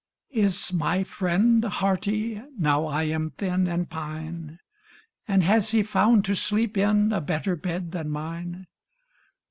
"Is my friend hearty, Now I am thin and pine, And has he found to sleep in A better bed than mine?"